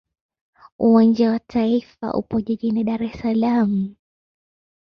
Uwanja wa taifa wa Tanzania upo jijini Dar es Salaam.